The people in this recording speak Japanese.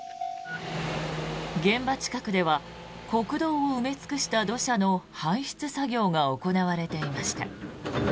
現場近くでは国道を埋め尽くした土砂の搬出作業が行われていました。